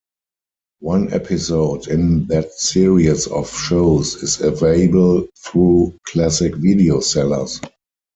One episode in that series of shows is available through classic video sellers.